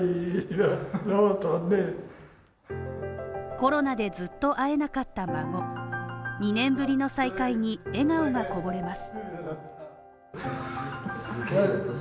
コロナでずっと会えなかった孫２年ぶりの再会に、笑顔がこぼれます。